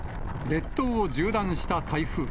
列島を縦断した台風。